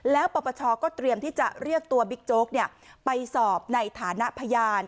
แล้วปปชก็เตรียมที่จะเรียกตัวบิ๊กโจ๊กไปสอบในฐานะพยาน